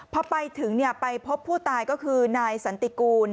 พอไปถึงไปพบผู้ตายก็คือนายสันติกูล